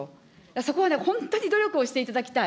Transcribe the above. そこはね、本当に努力をしていただきたい。